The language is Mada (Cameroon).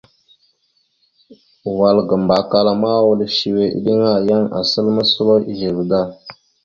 Wal ga Mbakala ma, wal səwe eɗeŋa, yan asal moslo ezeve da.